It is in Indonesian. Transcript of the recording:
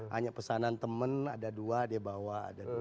hanya pesanan teman ada dua dia bawa